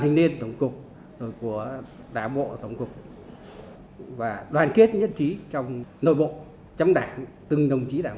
thanh niên tổng cục của đảm bộ tổng cục và đoàn kết nhất trí trong nội bộ chấm đảng từng đồng chí đảng